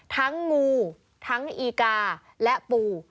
ทั้งงูทั้งอีกาและปู